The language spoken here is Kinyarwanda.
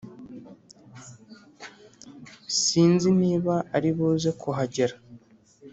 sinzi niba aribuze kuhagera